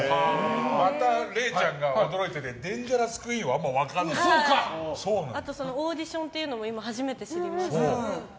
また、れいちゃんが驚いててデンジャラス・クイーンがあとオーディションというのも今、初めて知りました。